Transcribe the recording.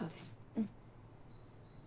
うん。